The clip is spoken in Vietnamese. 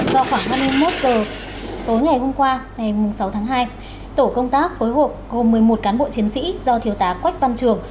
do khoảng hai mươi một h tối ngày hôm qua tổ công tác phối hợp gồm một mươi một cán bộ chiến sĩ do thiếu tá quách văn trường